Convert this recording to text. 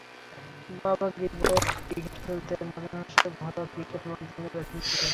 বাবা Gray Brock cricket খেলতেন, বাকিংহামশায়ারের ঘরোয়া ক্রিকেটে মারদাঙ্গা ব্যাটসম্যান ছিলেন।